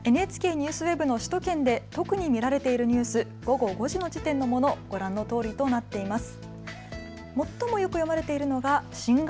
ＮＨＫＮＥＷＳＷＥＢの首都圏で特に見られているニュース、午後５時の時点のもの、ご覧のとおりとなっています。